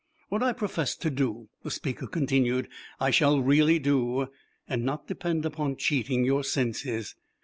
"What I profess to do," the speaker continued, "I shall really do, and not depend upon cheating your senses.